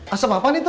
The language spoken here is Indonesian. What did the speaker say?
asep apaan itu